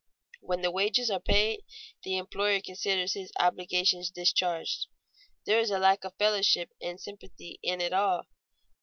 When the wages are paid, the employer considers his obligations discharged. There is a lack of fellowship and sympathy in it all.